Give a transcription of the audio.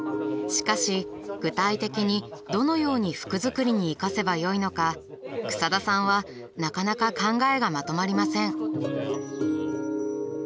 しかし具体的にどのように服づくりに生かせばよいのか草田さんはなかなか考えがまとまりません。